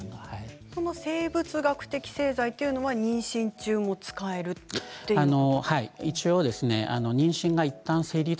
生物学的製剤というのは妊娠中も使えるということですか？